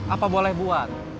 apa boleh buat